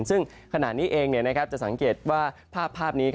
ซึ่งขณะนี้เองจะสังเกตว่าภาพนี้